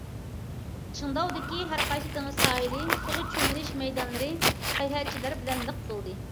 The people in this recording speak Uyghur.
چىڭداۋدىكى ھەرقايسى دېڭىز ساھىلى سۇغا چۆمۈلۈش مەيدانلىرى ساياھەتچىلەر بىلەن لىق تولدى.